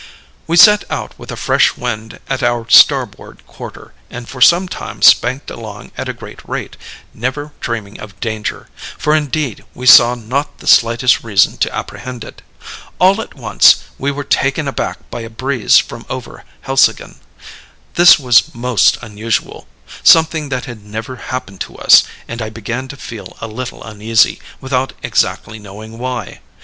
"We set out with a fresh wind at our starboard quarter, and for some time spanked along at a great rate, never dreaming of danger; for indeed we saw not the slightest reason to apprehend it. All at once we were taken aback by a breeze from over Helseggen. This was most unusual; something that had never happened to us, and I began to feel a little uneasy, without exactly knowing why.